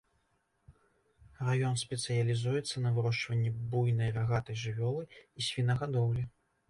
Раён спецыялізуецца на вырошчванні буйнай рагатай жывёлы і свінагадоўлі.